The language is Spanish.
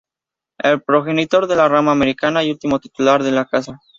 El progenitor de la Rama Americana y último Titular de la Casa.